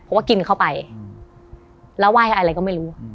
เพราะว่ากินเข้าไปแล้วไหว้อะไรก็ไม่รู้